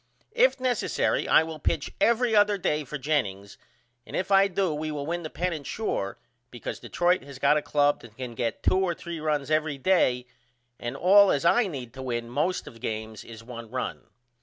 If necessary I will pitch every other day for Jennings and if I do we will win the pennant sure because Detroit has got a club that can get 2 or 3 runs every day and all as I need to win most of my games is 1 run.